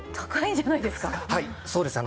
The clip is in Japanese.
はいそうですね。